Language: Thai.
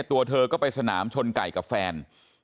ตัวเธอก็ไปสนามชนไก่กับแฟน